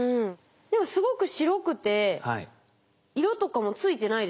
でもすごく白くて色とかも付いてないですね。